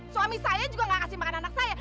suami saya juga gak kasih makanan anak saya